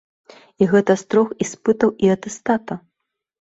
І гэта з трох іспытаў і атэстата!